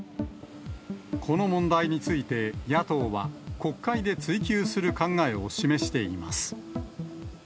この問題について野党は、国会で追及する考えを示しています。